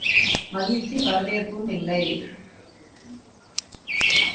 மகிழ்ச்சி வரவேற்பும் இல்லை.